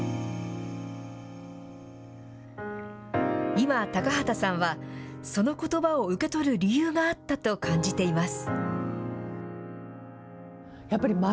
今、高畑さんは、そのことばを受け取る理由があったと感じています。